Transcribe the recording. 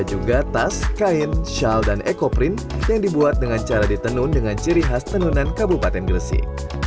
juga tas kain shawl dan ekoprint yang dibuat dengan cara ditenun dengan ciri khas tenunan kabupaten gresik